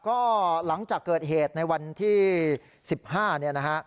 ก็หลังจากเกิดเหตุในวันที่๑๕เนี่ยนะฮะ